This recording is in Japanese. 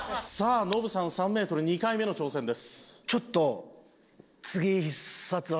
ノブさん３メートル２回目の挑戦です！